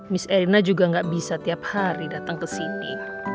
mis erina juga gak bisa tiap hari datang ke sini